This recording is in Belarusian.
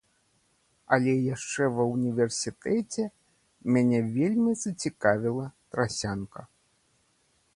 Але яшчэ ва ўніверсітэце мяне вельмі зацікавіла трасянка.